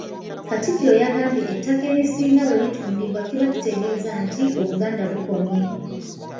Katikkiro yagambye ettaka erisinga bwe litundibwa kiba kitegeeza nti Obuganda bukomye!